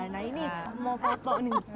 nah ini mau foto